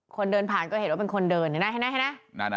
คนเดินผ่านก็เห็นว่าเป็นคนเดินเห็นไหม